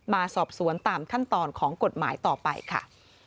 มาสอบสวนตามขั้นตอนของกฎหมายต่อไปค่ะ